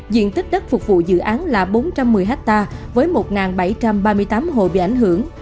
diện tích đất phục vụ dự án là bốn trăm một mươi ha với một bảy trăm ba mươi tám hộ bị ảnh hưởng